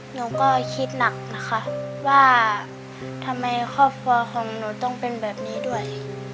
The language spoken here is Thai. หนูก็คิดหนักนะคะว่าทำไมครอบครัวของหนูต้องเป็นแบบนี้ด้วย